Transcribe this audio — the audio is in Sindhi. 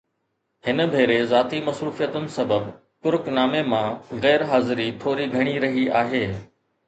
هن ڀيري ذاتي مصروفيتن سبب ڪرڪ نامي مان غير حاضري ٿوري گهڻي رهي آهي